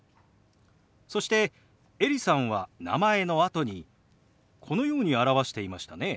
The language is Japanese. そしてエリさんは名前のあとにこのように表していましたね。